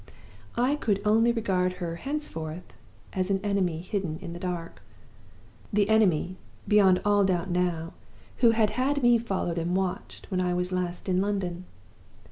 I could only regard her henceforth as an enemy hidden in the dark the enemy, beyond all doubt now, who had had me followed and watched when I was last in London.